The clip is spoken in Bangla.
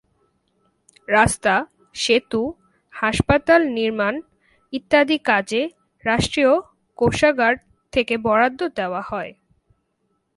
রাস্তা, সেতু, হাসপাতাল নির্মাণ ইত্যাদি কাজে রাষ্ট্রীয় কোষাগার থেকে বরাদ্দ দেওয়া হয়।